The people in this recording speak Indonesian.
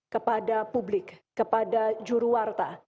kepada publik kepada juruwarta